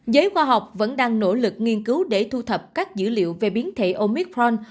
giới khoa học vẫn đang nỗ lực nghiên cứu để thu thập các dữ liệu về biến thể omitforn